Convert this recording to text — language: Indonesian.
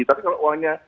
tapi kalau orangnya